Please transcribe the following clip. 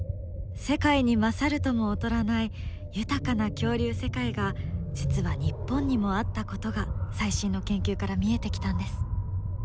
世界に勝るとも劣らない豊かな恐竜世界が実は日本にもあったことが最新の研究から見えてきたんです。